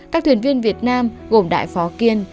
các thuyền viên việt nam gồm đại phó kiên